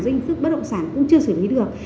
doanh nghiệp bất động sản cũng chưa xử lý được